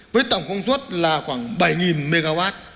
với tổng công suất là khoảng bảy mw